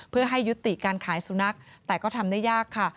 เพื่อให้ยุติการขายสุนัขแต่ก็ทำได้ยากค่ะ